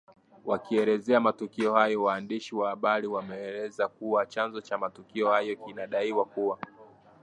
wakielezea matukio hayo waandishi wa habari wameeleza kuwa chanzo cha matukio hayo kinadaiwa kuwa